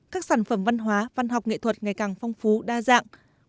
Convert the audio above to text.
các sản phẩm văn hóa văn học nghệ thuật ngày càng phong phú đa dạng